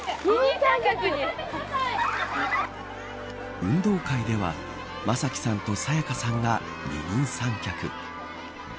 運動会では正輝さんと沙也加さんが二人三脚。